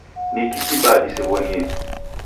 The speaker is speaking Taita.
Niki kibaa disew'onie.